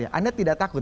anda tidak takut